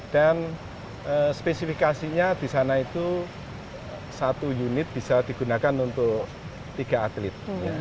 dan spesifikasinya di sana itu satu unit bisa digunakan untuk tiga atlet